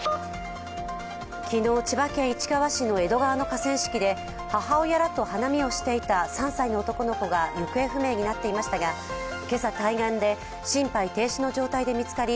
昨日、千葉県市川市の江戸川の河川敷で母親らと花見をしていた３歳の男の子が行方不明になっていましたが今朝、対岸で心肺停止の状態で見つかり